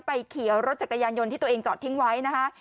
ขี่รถจักรยานยนต์ที่ตัวเองจอดทิ้งไว้นะคะ